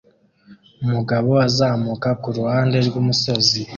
Umugabo azamuka kuruhande rwumusozi